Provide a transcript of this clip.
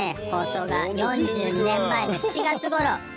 放送が４２年前の７月ごろ。